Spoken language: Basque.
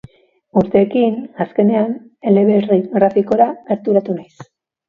Urteekin, azkenean, eleberri grafikora gerturatu naiz.